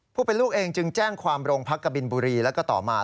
เป็นลูกเองจึงแจ้งความโรงพักกบินบุรีแล้วก็ต่อมา